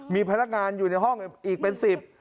มีพนักงานอยู่ในห้องอีกเป็นสิบ